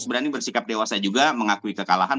berani bersikap dewasa juga mengakui kekalahan